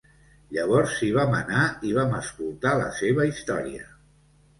Llavors hi vam anar i vam escoltar la seva història...